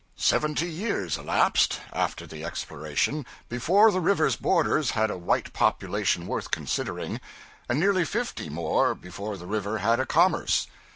Seventy years elapsed, after the exploration, before the river's borders had a white population worth considering; and nearly fifty more before the river had a commerce.